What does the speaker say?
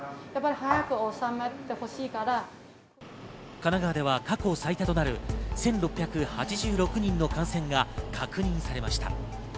神奈川では過去最多となる１６８６人の感染が確認されました。